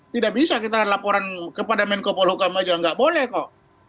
tidak bisa kita laporan kepada menko polukam aja nggak boleh kok